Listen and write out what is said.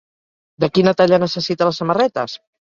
De quina talla necessita les samarretes?